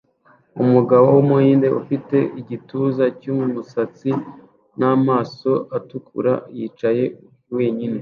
Umugabo wumuhinde ufite igituza cyumusatsi namaso atukura yicaye wenyine